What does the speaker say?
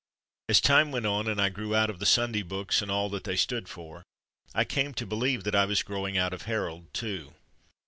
As time went on, and I grew out of the Sunday books and all that they stood for, I came to believe that I was growing out of Harold too.